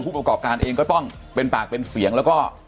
ประกอบการเองก็ต้องเป็นปากเป็นเสียงแล้วก็